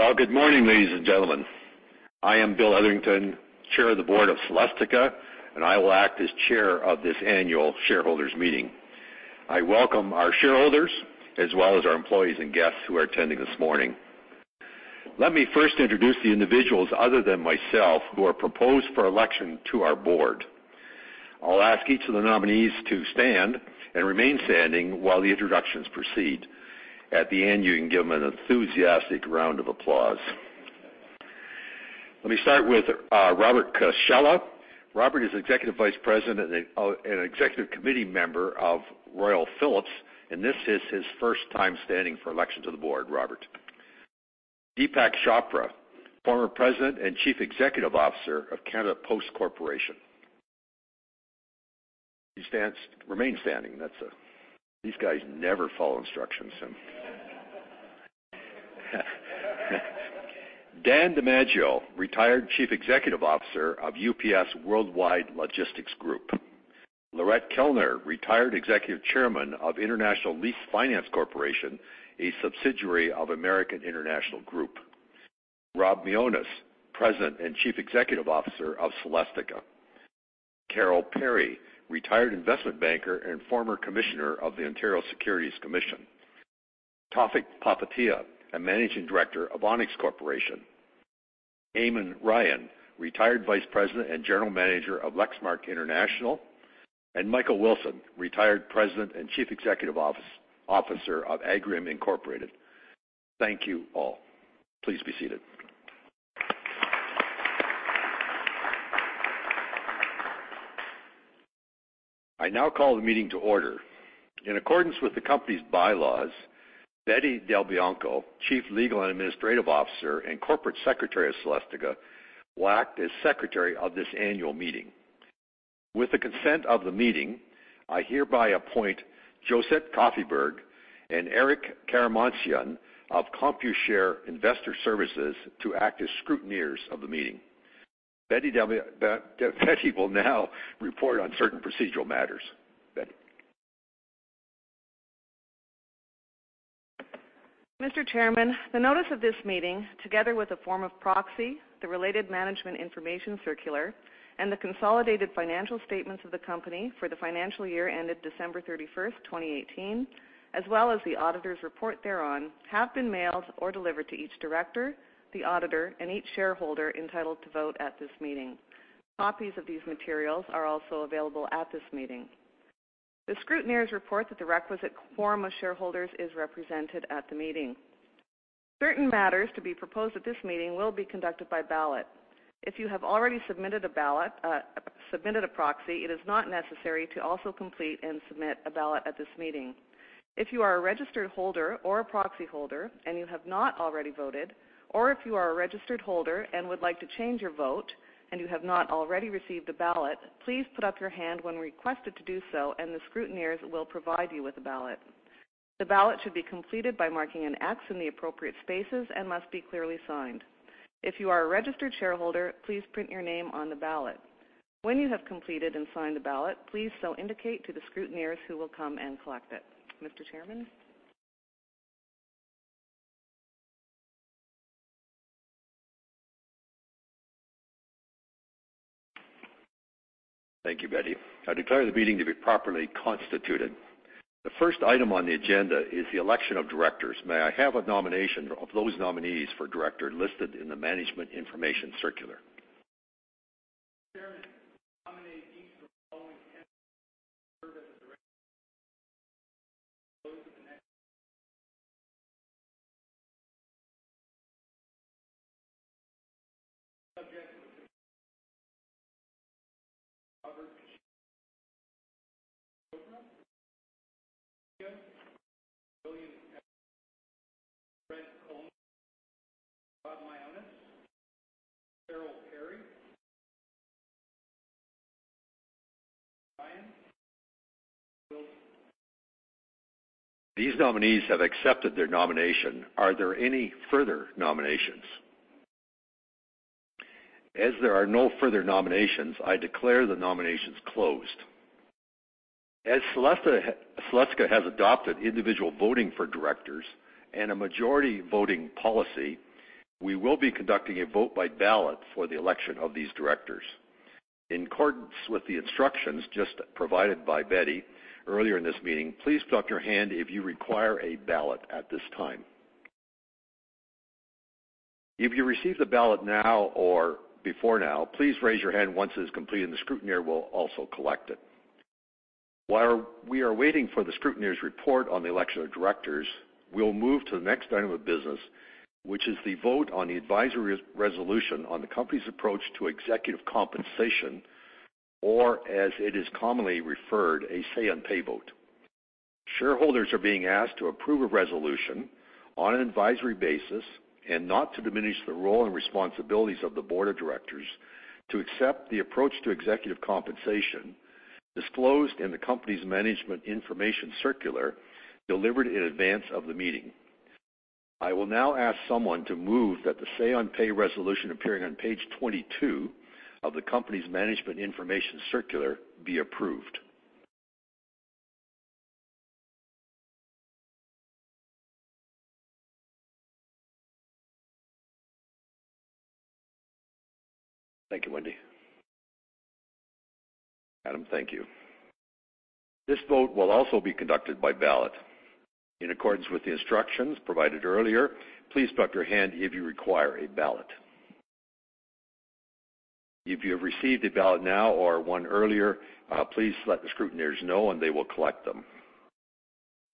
Well, good morning, ladies and gentlemen. I am Bill Etherington, Chair of the Board of Celestica, and I will act as chair of this annual shareholders' meeting. I welcome our shareholders, as well as our employees and guests who are attending this morning. Let me first introduce the individuals other than myself who are proposed for election to our board. I'll ask each of the nominees to stand and remain standing while the introductions proceed. At the end, you can give them an enthusiastic round of applause. Let me start with Robert Cascella. Robert is Executive Vice President and an executive committee member of Royal Philips, and this is his first time standing for election to the board. Robert. Deepak Chopra, former President and Chief Executive Officer of Canada Post Corporation. Remain standing. These guys never follow instructions. Dan DiMaggio, retired Chief Executive Officer of UPS Worldwide Logistics Group. Lorette Kelner, retired Executive Chairman of International Lease Finance Corporation, a subsidiary of American International Group. Rob Mionis, President and Chief Executive Officer of Celestica. Carole Perry, retired investment banker and former Commissioner of the Ontario Securities Commission. Tawfik Papoutsis, a Managing Director of Onex Corporation. Eamon Ryan, retired Vice President and General Manager of Lexmark International. Michael Wilson, retired President and Chief Executive Officer of Agrium Incorporated. Thank you all. Please be seated. I now call the meeting to order. In accordance with the company's bylaws, Betty Del Bianco, Chief Legal and Administrative Officer and Corporate Secretary of Celestica, will act as Secretary of this annual meeting. With the consent of the meeting, I hereby appoint Josette Koffyberg and Eric Karamanian of Computershare Investor Services to act as scrutineers of the meeting. Betty will now report on certain procedural matters. Betty. Mr. Chairman, the notice of this meeting, together with a form of proxy, the related management information circular, and the consolidated financial statements of the company for the financial year ended December 31, 2018, as well as the auditor's report thereon, have been mailed or delivered to each director, the auditor, and each shareholder entitled to vote at this meeting. Copies of these materials are also available at this meeting. The scrutineers report that the requisite quorum of shareholders is represented at the meeting. Certain matters to be proposed at this meeting will be conducted by ballot. If you have already submitted a proxy, it is not necessary to also complete and submit a ballot at this meeting. If you are a registered holder or a proxy holder and you have not already voted, or if you are a registered holder and would like to change your vote and you have not already received a ballot, please put up your hand when requested to do so, and the scrutineers will provide you with a ballot. The ballot should be completed by marking an X in the appropriate spaces and must be clearly signed. If you are a registered shareholder, please print your name on the ballot. When you have completed and signed the ballot, please so indicate to the scrutineers who will come and collect it. Mr. Chairman. Thank you, Betty. I declare the meeting to be properly constituted. The first item on the agenda is the election of directors. May I have a nomination of those nominees for director listed in the management information circular? Chairman, I nominate each of the following to serve as a director. Those are the next Subject. [inaudible] These nominees have accepted their nomination. Are there any further nominations? As there are no further nominations, I declare the nominations closed. As Celestica has adopted individual voting for directors and a majority voting policy, we will be conducting a vote by ballot for the election of these directors. In accordance with the instructions just provided by Betty earlier in this meeting, please put up your hand if you require a ballot at this time. If you received the ballot now or before now, please raise your hand once it is complete, and the scrutineer will also collect it. While we are waiting for the scrutineer's report on the election of directors, we'll move to the next item of business, which is the vote on the advisory resolution on the company's approach to executive compensation, or, as it is commonly referred, a say-on-pay vote. Shareholders are being asked to approve a resolution on an advisory basis and not to diminish the role and responsibilities of the board of directors to accept the approach to executive compensation disclosed in the company's management information circular delivered in advance of the meeting. I will now ask someone to move that the say-on-pay resolution appearing on page 22 of the company's management information circular be approved. Thank you, Wendy. Adam, thank you. This vote will also be conducted by ballot. In accordance with the instructions provided earlier, please put up your hand if you require a ballot. If you have received a ballot now or one earlier, please let the scrutineers know and they will collect them.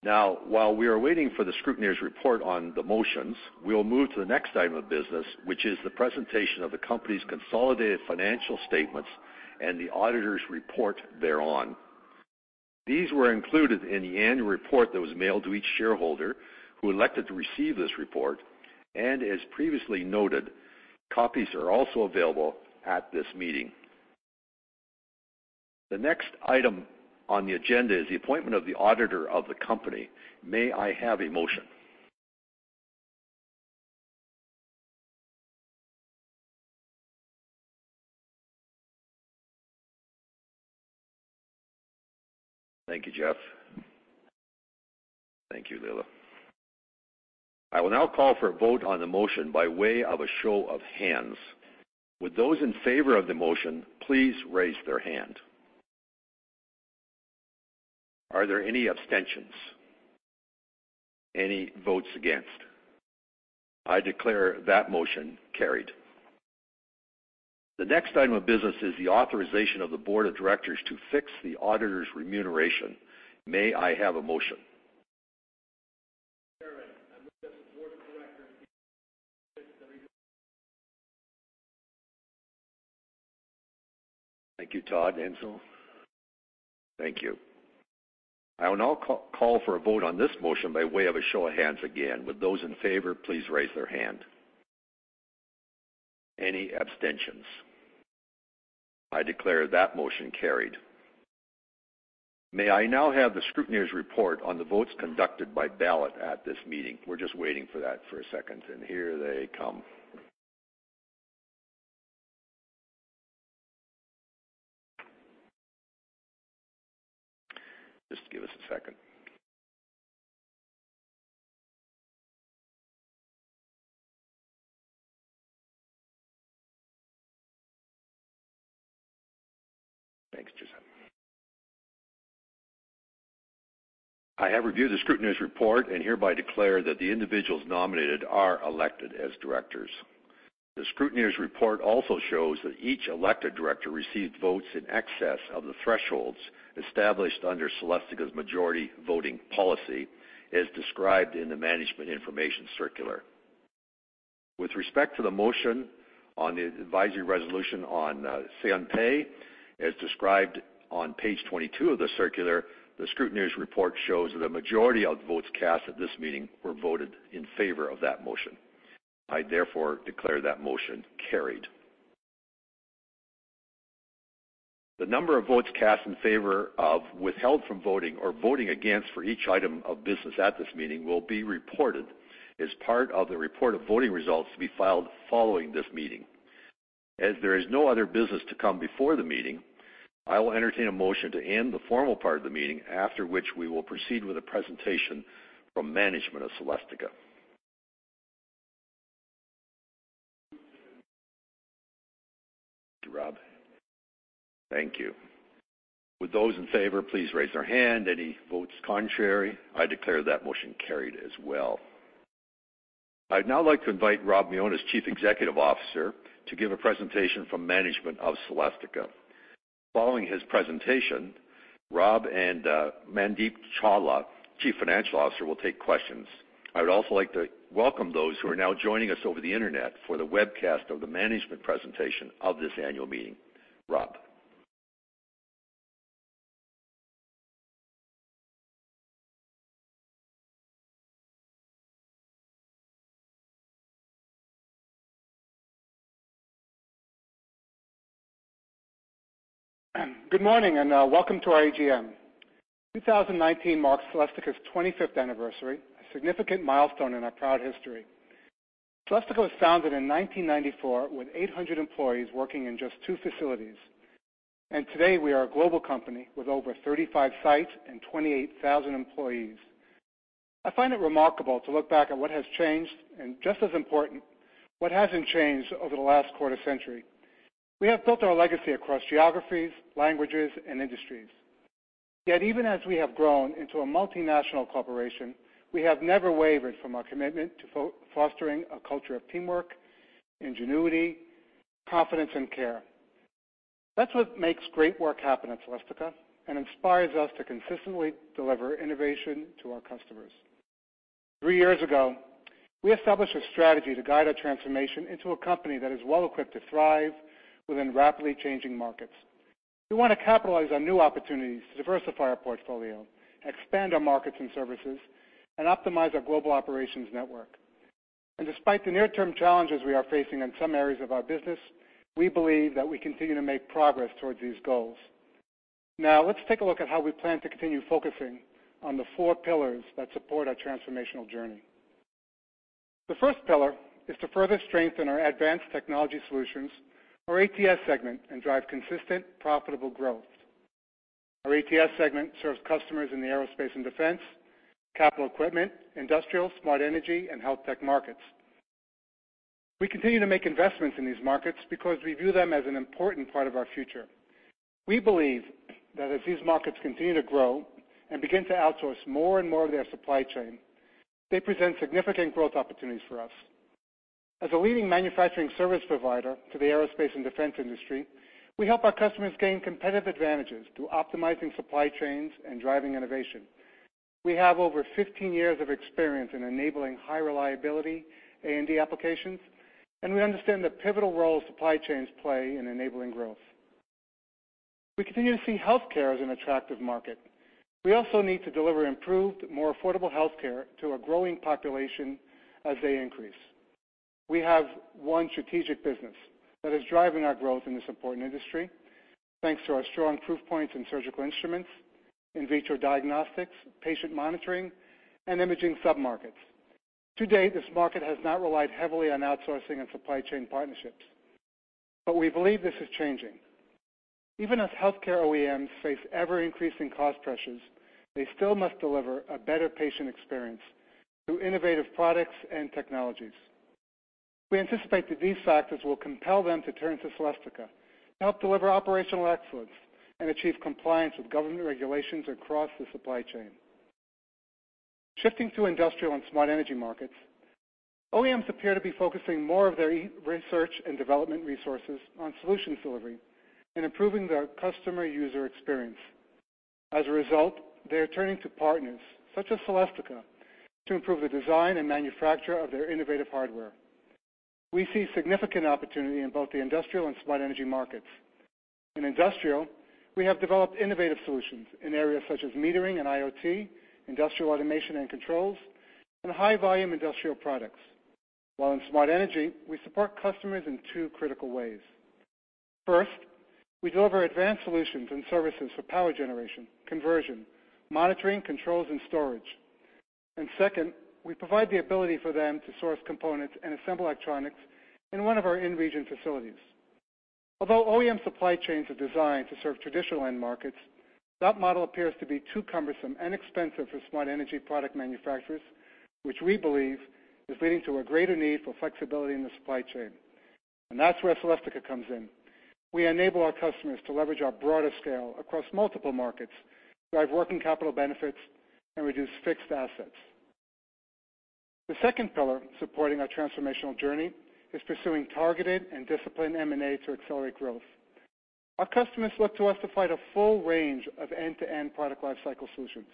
While we are waiting for the scrutineers' report on the motions, we will move to the next item of business, which is the presentation of the company's consolidated financial statements and the auditors' report thereon. These were included in the annual report that was mailed to each shareholder who elected to receive this report, and as previously noted, copies are also available at this meeting. The next item on the agenda is the appointment of the auditor of the company. May I have a motion? Thank you, Jeff. Thank you, Leila. I will now call for a vote on the motion by way of a show of hands. Would those in favor of the motion please raise their hand. Are there any abstentions? Any votes against? I declare that motion carried. The next item of business is the authorization of the Board of Directors to fix the auditor's remuneration. May I have a motion? Chairman, I move that the Board of Directors Thank you, Todd Insel. Thank you. I will now call for a vote on this motion by way of a show of hands again. Would those in favor please raise their hand. Any abstentions? I declare that motion carried. May I now have the scrutineers' report on the votes conducted by ballot at this meeting? We're just waiting for that for a second, and here they come. Just give us a second. Thanks, Joseph. I have reviewed the scrutineers' report and hereby declare that the individuals nominated are elected as Directors. The scrutineers' report also shows that each elected Director received votes in excess of the thresholds established under Celestica's majority voting policy, as described in the management information circular. With respect to the motion on the advisory resolution on say on pay, as described on page 22 of the circular, the scrutineers' report shows that a majority of votes cast at this meeting were voted in favor of that motion. I therefore declare that motion carried. The number of votes cast in favor of, withheld from voting, or voting against for each item of business at this meeting will be reported as part of the report of voting results to be filed following this meeting. As there is no other business to come before the meeting, I will entertain a motion to end the formal part of the meeting, after which we will proceed with a presentation from management of Celestica. Thank you, Rob. Thank you. Would those in favor, please raise their hand. Any votes contrary? I declare that motion carried as well. I'd now like to invite Rob Mionis, as Chief Executive Officer, to give a presentation from management of Celestica. Following his presentation, Rob and Mandeep Chawla, Chief Financial Officer, will take questions. I would also like to welcome those who are now joining us over the internet for the webcast of the management presentation of this annual meeting. Rob. Good morning. Welcome to our AGM. 2019 marks Celestica's 25th anniversary, a significant milestone in our proud history. Celestica was founded in 1994 with 800 employees working in just two facilities, and today we are a global company with over 35 sites and 28,000 employees. I find it remarkable to look back at what has changed and, just as important, what hasn't changed over the last quarter century. We have built our legacy across geographies, languages, and industries. Even as we have grown into a multinational corporation, we have never wavered from our commitment to fostering a culture of teamwork, ingenuity, confidence, and care. That's what makes great work happen at Celestica and inspires us to consistently deliver innovation to our customers. Three years ago, we established a strategy to guide our transformation into a company that is well equipped to thrive within rapidly changing markets. We want to capitalize on new opportunities to diversify our portfolio, expand our markets and services, and optimize our global operations network. Despite the near-term challenges we are facing in some areas of our business, we believe that we continue to make progress towards these goals. Let's take a look at how we plan to continue focusing on the four pillars that support our transformational journey. The first pillar is to further strengthen our Advanced Technology Solutions, our ATS segment, and drive consistent profitable growth. Our ATS segment serves customers in the aerospace and defense, capital equipment, industrial, smart energy, and HealthTech markets. We continue to make investments in these markets because we view them as an important part of our future. We believe that as these markets continue to grow and begin to outsource more and more of their supply chain, they present significant growth opportunities for us. As a leading manufacturing service provider to the aerospace and defense industry, we help our customers gain competitive advantages through optimizing supply chains and driving innovation. We have over 15 years of experience in enabling high reliability A&D applications, and we understand the pivotal role supply chains play in enabling growth. We continue to see healthcare as an attractive market. We also need to deliver improved, more affordable healthcare to a growing population as they increase. We have one strategic business that is driving our growth in this important industry, thanks to our strong proof points in surgical instruments, in vitro diagnostics, patient monitoring, and imaging sub-markets. To date, this market has not relied heavily on outsourcing and supply chain partnerships, but we believe this is changing. Even as healthcare OEMs face ever-increasing cost pressures, they still must deliver a better patient experience through innovative products and technologies. We anticipate that these factors will compel them to turn to Celestica to help deliver operational excellence and achieve compliance with government regulations across the supply chain. Shifting to industrial and smart energy markets, OEMs appear to be focusing more of their research and development resources on solution delivery and improving their customer user experience. As a result, they are turning to partners such as Celestica to improve the design and manufacture of their innovative hardware. We see significant opportunity in both the industrial and smart energy markets. In industrial, we have developed innovative solutions in areas such as metering and IoT, industrial automation and controls, and high-volume industrial products. While in smart energy, we support customers in two critical ways. First, we deliver advanced solutions and services for power generation, conversion, monitoring, controls, and storage. Second, we provide the ability for them to source components and assemble electronics in one of our in-region facilities. Although OEM supply chains are designed to serve traditional end markets, that model appears to be too cumbersome and expensive for smart energy product manufacturers, which we believe is leading to a greater need for flexibility in the supply chain. That's where Celestica comes in. We enable our customers to leverage our broader scale across multiple markets, drive working capital benefits, and reduce fixed assets. The second pillar supporting our transformational journey is pursuing targeted and disciplined M&A to accelerate growth. Our customers look to us to provide a full range of end-to-end product lifecycle solutions.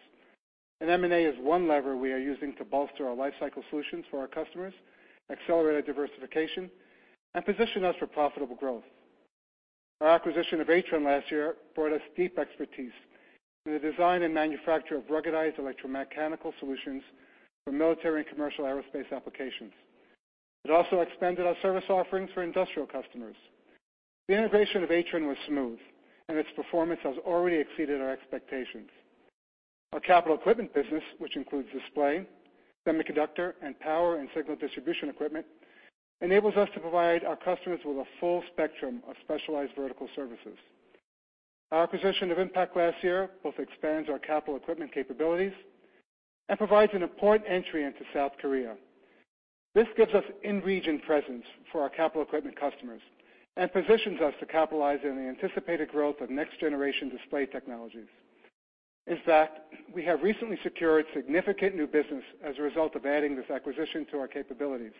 M&A is one lever we are using to bolster our lifecycle solutions for our customers, accelerate our diversification, and position us for profitable growth. Our acquisition of Atrenne last year brought us deep expertise in the design and manufacture of ruggedized electromechanical solutions for military and commercial aerospace applications. It also expanded our service offerings for industrial customers. The integration of Atrenne was smooth, and its performance has already exceeded our expectations. Our capital equipment business, which includes display, semiconductor, and power and signal distribution equipment, enables us to provide our customers with a full spectrum of specialized vertical services. Our acquisition of Impakt last year both expands our capital equipment capabilities and provides an important entry into South Korea. This gives us in-region presence for our capital equipment customers and positions us to capitalize on the anticipated growth of next-generation display technologies. In fact, we have recently secured significant new business as a result of adding this acquisition to our capabilities.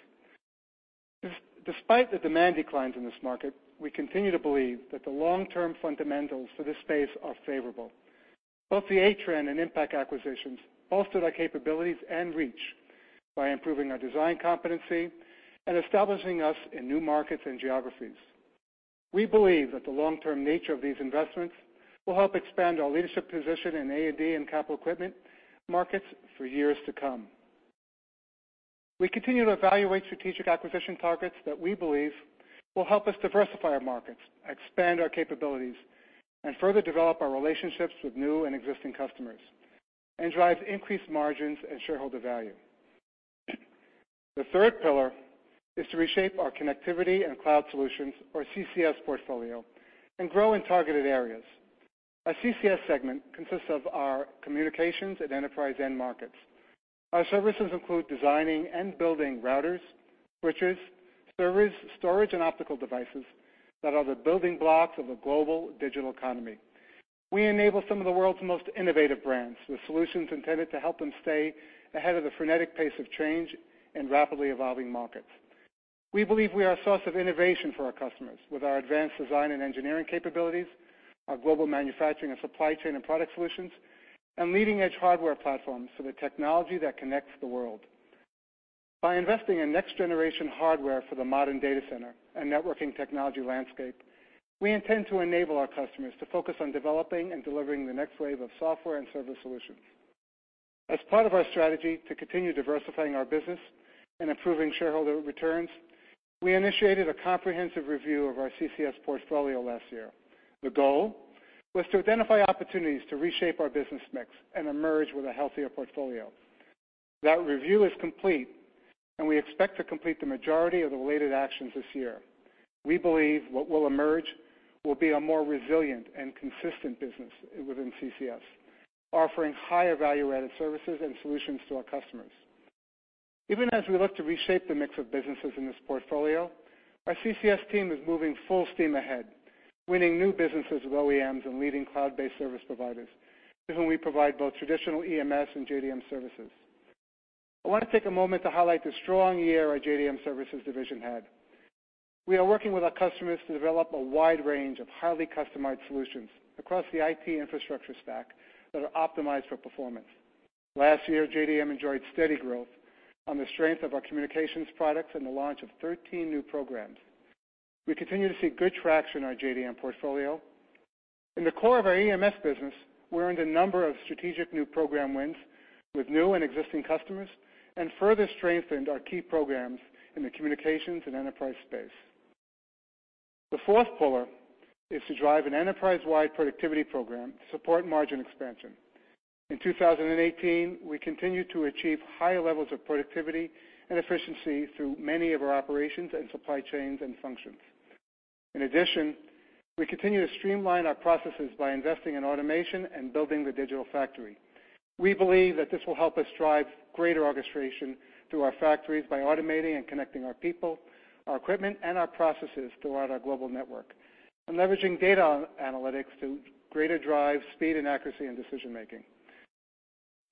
Despite the demand declines in this market, we continue to believe that the long-term fundamentals for this space are favorable. Both the Atrenne and Impakt acquisitions bolstered our capabilities and reach by improving our design competency and establishing us in new markets and geographies. We believe that the long-term nature of these investments will help expand our leadership position in A&D and capital equipment markets for years to come. We continue to evaluate strategic acquisition targets that we believe will help us diversify our markets, expand our capabilities, and further develop our relationships with new and existing customers, drive increased margins and shareholder value. The third pillar is to reshape our Connectivity and Cloud Solutions, or CCS portfolio, grow in targeted areas. Our CCS segment consists of our communications and enterprise end markets. Our services include designing and building routers, switches, servers, storage, and optical devices that are the building blocks of a global digital economy. We enable some of the world's most innovative brands with solutions intended to help them stay ahead of the frenetic pace of change in rapidly evolving markets. We believe we are a source of innovation for our customers with our advanced design and engineering capabilities, our global manufacturing and supply chain and product solutions, leading-edge hardware platforms for the technology that connects the world. By investing in next-generation hardware for the modern data center and networking technology landscape, we intend to enable our customers to focus on developing and delivering the next wave of software and service solutions. As part of our strategy to continue diversifying our business and improving shareholder returns. We initiated a comprehensive review of our CCS portfolio last year. The goal was to identify opportunities to reshape our business mix and emerge with a healthier portfolio. That review is complete, and we expect to complete the majority of the related actions this year. We believe what will emerge will be a more resilient and consistent business within CCS, offering higher value-added services and solutions to our customers. Even as we look to reshape the mix of businesses in this portfolio, our CCS team is moving full steam ahead, winning new businesses with OEMs and leading cloud-based service providers, to whom we provide both traditional EMS and JDM services. I want to take a moment to highlight the strong year our JDM services division had. We are working with our customers to develop a wide range of highly customized solutions across the IT infrastructure stack that are optimized for performance. Last year, JDM enjoyed steady growth on the strength of our communications products and the launch of 13 new programs. We continue to see good traction in our JDM portfolio. In the core of our EMS business, we earned a number of strategic new program wins with new and existing customers and further strengthened our key programs in the communications and enterprise space. The fourth pillar is to drive an enterprise-wide productivity program to support margin expansion. In 2018, we continued to achieve higher levels of productivity and efficiency through many of our operations and supply chains and functions. In addition, we continue to streamline our processes by investing in automation and building the digital factory. We believe that this will help us drive greater orchestration through our factories by automating and connecting our people, our equipment, and our processes throughout our global network, and leveraging data analytics to greater drive speed and accuracy in decision-making.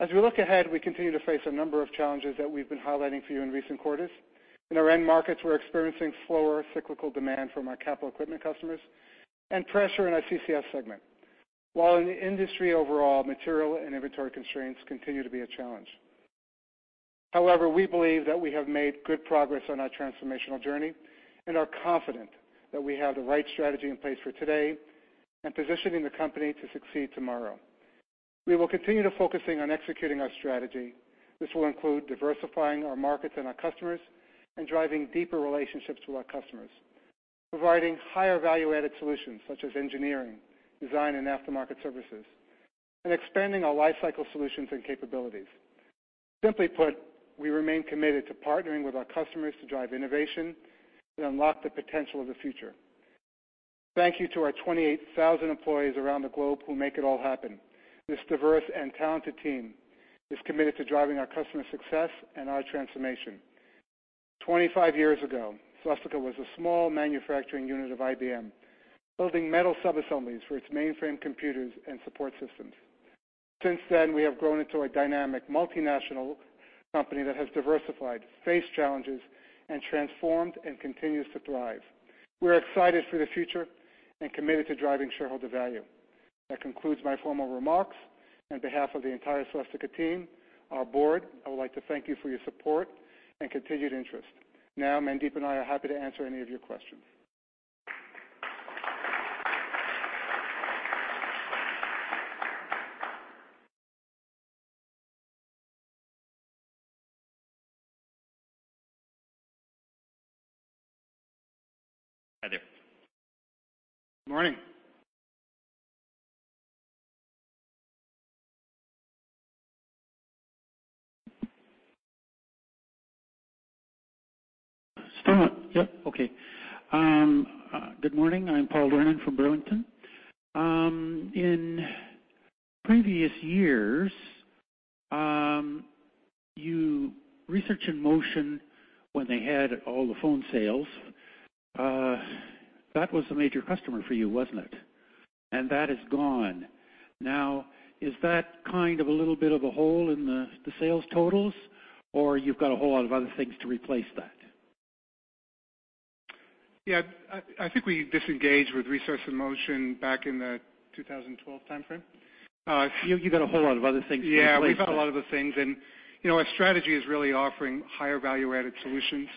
As we look ahead, we continue to face a number of challenges that we've been highlighting for you in recent quarters. In our end markets, we're experiencing slower cyclical demand from our capital equipment customers and pressure in our CCS segment. While in the industry overall, material and inventory constraints continue to be a challenge. However, we believe that we have made good progress on our transformational journey and are confident that we have the right strategy in place for today and positioning the company to succeed tomorrow. We will continue to focusing on executing our strategy. This will include diversifying our markets and our customers and driving deeper relationships with our customers. Providing higher value-added solutions such as engineering, design, and aftermarket services, and expanding our lifecycle solutions and capabilities. Simply put, we remain committed to partnering with our customers to drive innovation and unlock the potential of the future. Thank you to our 28,000 employees around the globe who make it all happen. This diverse and talented team is committed to driving our customer success and our transformation. 25 years ago, Celestica was a small manufacturing unit of IBM, building metal subassemblies for its mainframe computers and support systems. Since then, we have grown into a dynamic multinational company that has diversified, faced challenges, and transformed and continues to thrive. We're excited for the future and committed to driving shareholder value. That concludes my formal remarks. On behalf of the entire Celestica team, our board, I would like to thank you for your support and continued interest. Mandeep and I are happy to answer any of your questions. Hi there. Good morning. Still on. Yep, okay. Good morning. I'm Paul Wernick from Burlington. In previous years, Research in Motion, when they had all the phone sales, that was the major customer for you, wasn't it? That is gone. Now, is that a little bit of a hole in the sales totals, or you've got a whole lot of other things to replace that? Yeah. I think we disengaged with Research In Motion back in the 2012 timeframe. You got a whole lot of other things to replace that. Yeah, we've got a lot of other things, our strategy is really offering higher value-added solutions.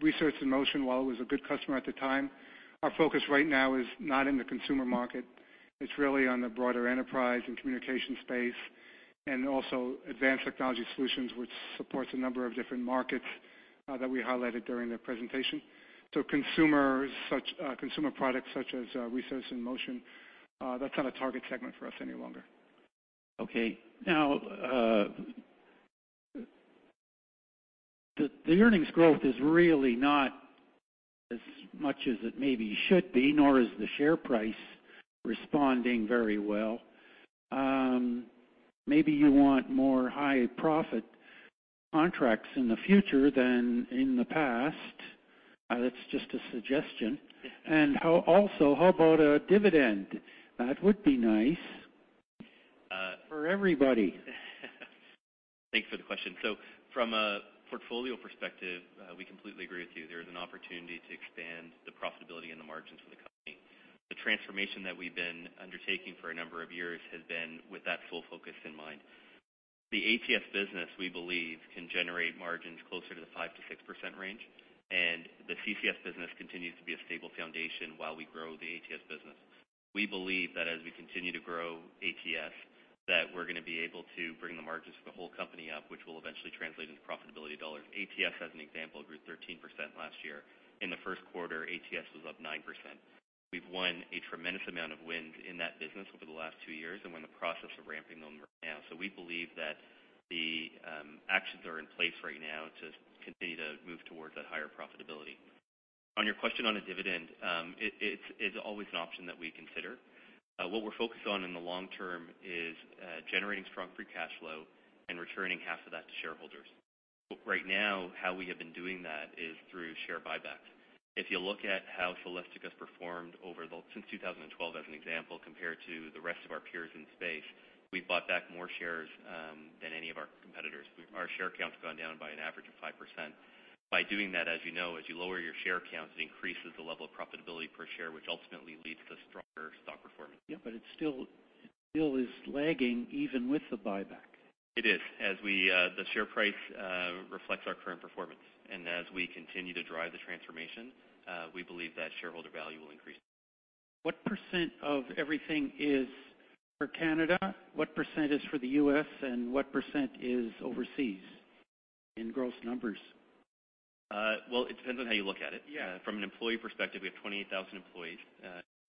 Research In Motion, while it was a good customer at the time, our focus right now is not in the consumer market. It's really on the broader enterprise and communication space, and also Advanced Technology Solutions, which supports a number of different markets that we highlighted during the presentation. Consumer products such as Research In Motion, that's not a target segment for us any longer. Okay. Now, the earnings growth is really not as much as it maybe should be, nor is the share price responding very well. Maybe you want more high-profit contracts in the future than in the past. That's just a suggestion. Yeah. Also, how about a dividend? That would be nice for everybody. Thanks for the question. From a portfolio perspective, we completely agree with you. There is an opportunity to expand the profitability and the margins for the company. The transformation that we've been undertaking for a number of years has been with that sole focus in mind. The ATS business, we believe, can generate margins closer to the 5%-6% range, and the CCS business continues to be a stable foundation while we grow the ATS business. We believe that as we continue to grow ATS, that we're going to be able to bring the margins for the whole company up, which will eventually translate into profitability dollars. ATS, as an example, grew 13% last year. In the first quarter, ATS was up 9%. We've won a tremendous amount of wins in that business over the last two years and we're in the process of ramping them right now. We believe that the actions are in place right now to continue to move towards that higher profitability. On your question on a dividend, it's always an option that we consider. What we're focused on in the long term is generating strong free cash flow and returning half of that to shareholders. Right now, how we have been doing that is through share buybacks. If you look at how Celestica's performed since 2012 as an example, compared to the rest of our peers in the space, we've bought back more shares than any of our competitors. Our share count's gone down by an average of 5%. By doing that, as you know, as you lower your share count, it increases the level of profitability per share, which ultimately leads to stronger stock performance. Yeah, it still is lagging, even with the buyback. It is. The share price reflects our current performance. As we continue to drive the transformation, we believe that shareholder value will increase. What % of everything is for Canada, what % is for the U.S., and what % is overseas in gross numbers? Well, it depends on how you look at it. Yeah. From an employee perspective, we have 28,000 employees.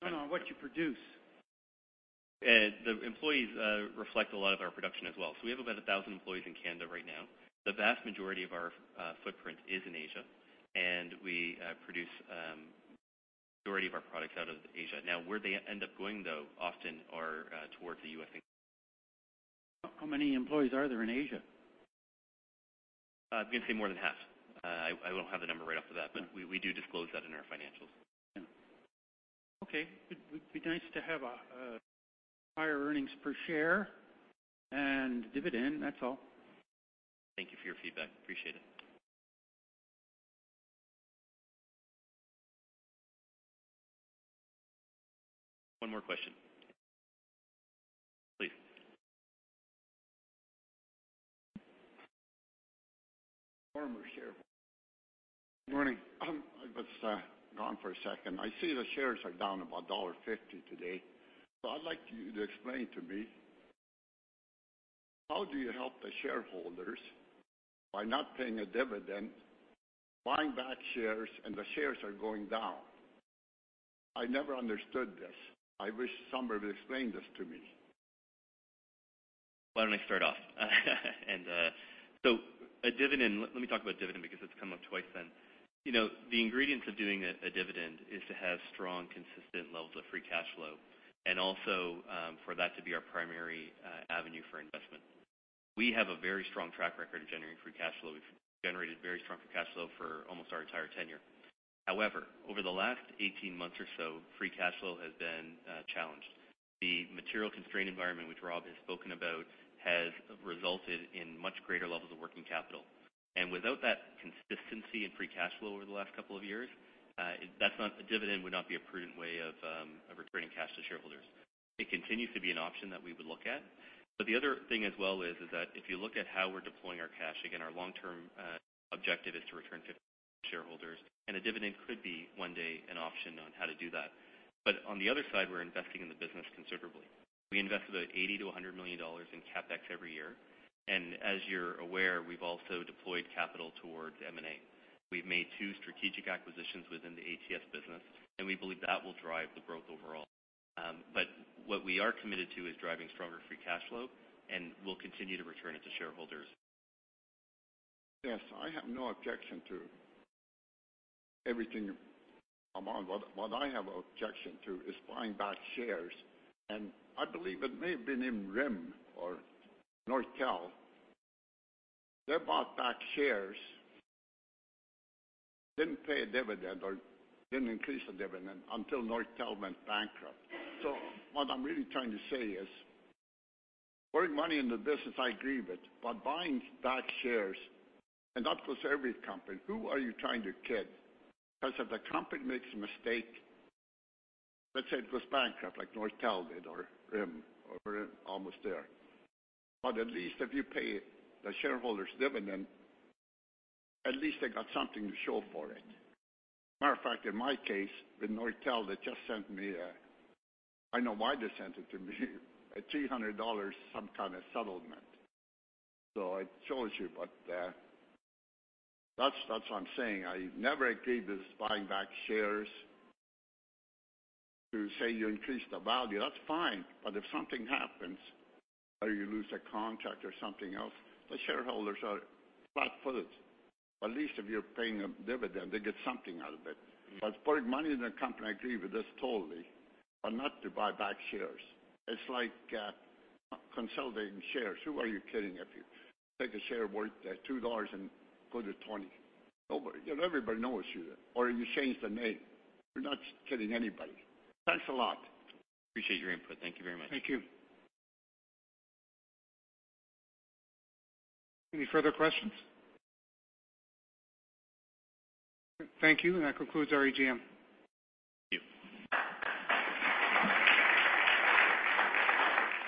No, what you produce. The employees reflect a lot of our production as well. We have about 1,000 employees in Canada right now. The vast majority of our footprint is in Asia, and we produce the majority of our products out of Asia. Where they end up going, though, often are towards the U.S. How many employees are there in Asia? I'm going to say more than half. I don't have the number right off of that, but we do disclose that in our financials. Okay. It'd be nice to have higher earnings per share and dividend. That's all. Thank you for your feedback. Appreciate it. One more question, please. Former shareholder. Good morning. I was gone for a second. I see the shares are down about $1.50 today. I'd like you to explain to me, how do you help the shareholders by not paying a dividend, buying back shares, and the shares are going down? I never understood this. I wish somebody would explain this to me. Why don't I start off? A dividend, let me talk about dividend because it's come up twice then. The ingredients of doing a dividend is to have strong, consistent levels of free cash flow, and also for that to be our primary avenue for investment. We have a very strong track record of generating free cash flow. We've generated very strong free cash flow for almost our entire tenure. However, over the last 18 months or so, free cash flow has been challenged. The material constraint environment, which Rob has spoken about, has resulted in much greater levels of working capital. Without that consistency in free cash flow over the last couple of years, a dividend would not be a prudent way of returning cash to shareholders. It continues to be an option that we would look at. The other thing as well is that if you look at how we're deploying our cash, again, our long-term objective is to return to shareholders, and a dividend could be one day an option on how to do that. On the other side, we're investing in the business considerably. We invest about $80 million-$100 million in CapEx every year. As you're aware, we've also deployed capital towards M&A. We've made two strategic acquisitions within the ATS business, and we believe that will drive the growth overall. What we are committed to is driving stronger free cash flow, and we'll continue to return it to shareholders. Yes, I have no objection to everything. What I have objection to is buying back shares, and I believe it may have been in RIM or Nortel. They bought back shares, didn't pay a dividend or didn't increase the dividend until Nortel went bankrupt. What I'm really trying to say is, putting money in the business, I agree with, but buying back shares, and that goes for every company, who are you trying to kid? If the company makes a mistake, let's say it goes bankrupt like Nortel did, or RIM, or almost there. At least if you pay the shareholders dividend, at least they got something to show for it. Matter of fact, in my case, with Nortel, they just sent me a, I know why they sent it to me, a $300 some kind of settlement. It shows you. That's what I'm saying. I never agreed with buying back shares. To say you increase the value, that's fine, but if something happens or you lose a contract or something else, the shareholders are flatfooted. At least if you're paying a dividend, they get something out of it. Putting money in a company, I agree with this totally, but not to buy back shares. It's like consolidating shares. Who are you kidding if you take a share worth $2 and go to $20? Everybody knows you. You change the name. You're not kidding anybody. Thanks a lot. Appreciate your input. Thank you very much. Thank you. Any further questions? Thank you. That concludes our AGM. Thank you.